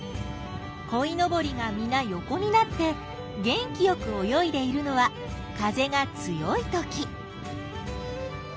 こいのぼりがみな横になって元気よく泳いでいるのは風が強いとき。